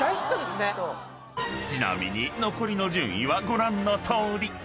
［ちなみに残りの順位はご覧のとおり］